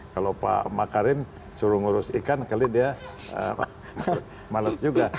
kalau pak makarin suruh ngurus ikan kali dia males juga